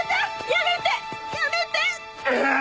やめて！